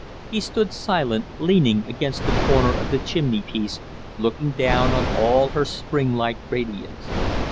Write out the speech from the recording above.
He stood silent, leaning against the corner of the chimneypiece, looking down on all her springlike radiance.